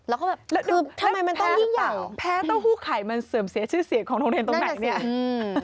แล้วก็แบบคือทำไมมันต้องยิ่งอย่างหรือเปล่าแพ้ต้าหู้ไข่มันเสริมเสียชื่อเสียของโรงเรียนตรงไหนเนี่ยน่าจะเสีย